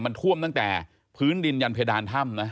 มันท่วมตั้งแต่พื้นดินยันเพดานถ้ำนะ